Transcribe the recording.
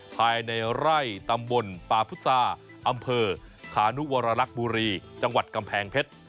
ภายในไร่ตำบลปาพุษาอำเภอขานุวรรลักษ์บุรีจังหวัดกำแพงเพชร